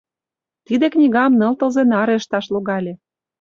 Тиде книгам ныл тылзе наре ышташ логале.